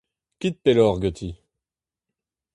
Kit pelloc'h ganti !